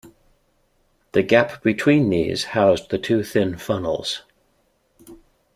The gap between these housed the two thin funnels.